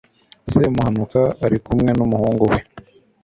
semuhanuka ari kumwe n'umuhungu we